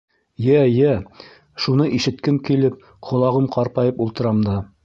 — Йә, йә, шуны ишеткем килеп, ҡолағым ҡарпайып ултырам да.